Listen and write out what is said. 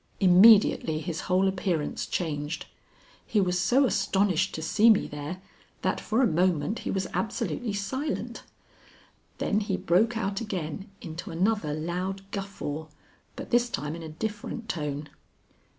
Immediately his whole appearance changed. He was so astonished to see me there that for a moment he was absolutely silent; then he broke out again into another loud guffaw, but this time in a different tone.